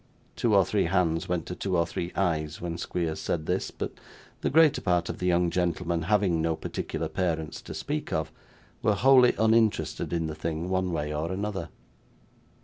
Two or three hands went to two or three eyes when Squeers said this, but the greater part of the young gentlemen having no particular parents to speak of, were wholly uninterested in the thing one way or other.